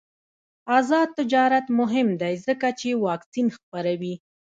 آزاد تجارت مهم دی ځکه چې واکسین خپروي.